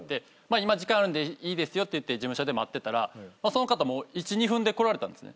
今時間あるんでいいですよって言って事務所で待ってたらその方もう１２分で来られたんですね。